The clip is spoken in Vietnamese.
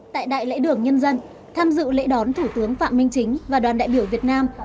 tại đại lễ đường nhân dân tham dự lễ đón thủ tướng phạm minh chính và đoàn đại biểu việt nam